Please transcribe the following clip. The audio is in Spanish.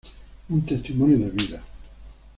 Un testimonio de vida.